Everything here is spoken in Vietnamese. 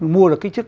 mua được cái chức